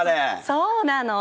そうなの。